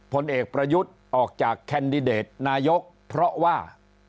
ผลเอกประยุทธ์ออกจากแคนดิเดตนายกเพราะว่า